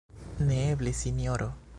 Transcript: Neeble, Sinjoro!